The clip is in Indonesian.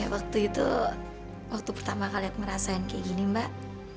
waktu itu waktu pertama kali ngerasain kayak gini mbak